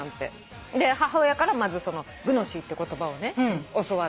で母親からまず「グノシー」って言葉を教わって。